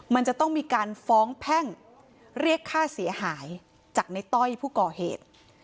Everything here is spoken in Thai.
มันจะต้องมีการฟ้องแพ่งเรียกค่าเสียหายจากในต้อยผู้ก่อเหตุ